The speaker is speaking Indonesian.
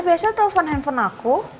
biasa telpon handphone aku